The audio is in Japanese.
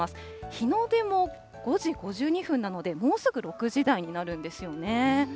日の出も５時５２分なので、もうすぐ６時台になるんですよね。